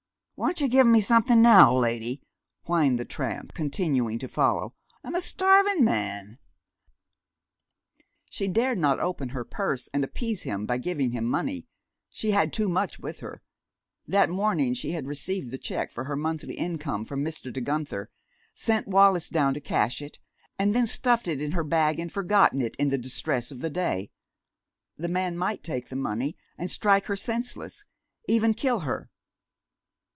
"Won't you gimme somethin' now, lady?" whined the tramp, continuing to follow. "I'm a starvin' man." She dared not open her purse and appease him by giving him money she had too much with her. That morning she had received the check for her monthly income from Mr. De Guenther, sent Wallis down to cash it, and then stuffed it in her bag and forgotten it in the distress of the day. The man might take the money and strike her senseless, even kill her.